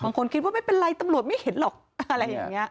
คิดว่าไม่เป็นไรตำรวจไม่เห็นหรอกอะไรอย่างนี้